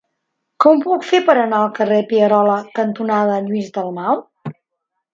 Com ho puc fer per anar al carrer Pierola cantonada Lluís Dalmau?